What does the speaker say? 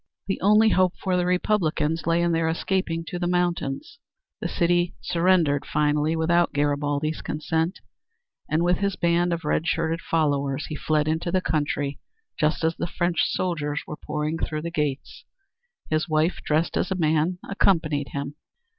The only hope for the Republicans lay in their escaping to the mountains. The city surrendered finally without Garibaldi's consent, and with his band of red shirted followers he fled into the country just as the French soldiers were pouring through the gates. His wife, dressed as a man, accompanied him.